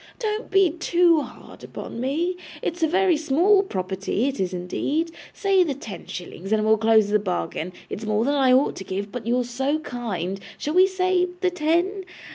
'Don't be too hard upon me. It's a very small property, it is indeed. Say the ten shillings, and we'll close the bargain. It's more than I ought to give, but you're so kind shall we say the ten?